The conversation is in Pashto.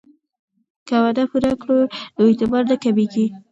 که وعده پوره کړو نو اعتبار نه کمیږي.